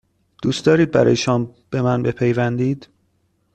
دوست دارید برای شام به من بپیوندید؟